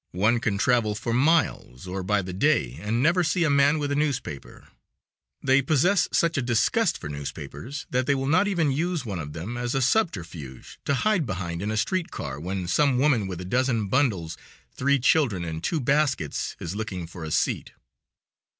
One can travel for miles, or by the day, and never see a man with a newspaper. They possess such a disgust for newspapers that they will not even use one of them as a subterfuge to hide behind in a street car when some woman with a dozen bundles, three children and two baskets is looking for a seat.